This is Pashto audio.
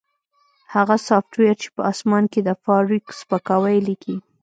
هغه سافټویر چې په اسمان کې د فارویک سپکاوی لیکي